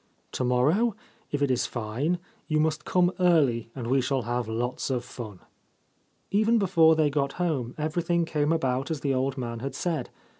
To morrow, if it is fine, you must come early, and we shall have lots of fun.' Even before they got home everything came about as the old man had said.